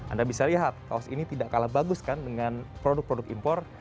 anda bisa lihat kaos ini tidak kalah bagus kan dengan produk produk impor